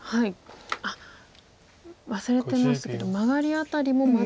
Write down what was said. あっ忘れてましたけどマガリ辺りもまだ。